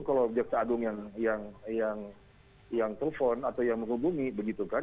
kalau jaksa agung yang telepon atau yang menghubungi begitu kan